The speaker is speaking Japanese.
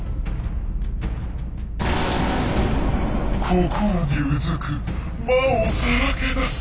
心にうずく魔をさらけ出す。